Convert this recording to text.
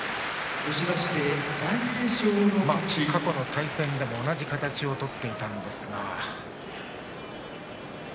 過去の対戦でも同じ形を取っていましたが。